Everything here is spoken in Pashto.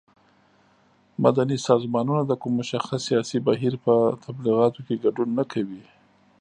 مدني سازمانونه د کوم مشخص سیاسي بهیر په تبلیغاتو کې ګډون نه کوي.